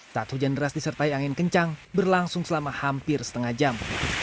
saat hujan deras disertai angin kencang berlangsung selama hampir setengah jam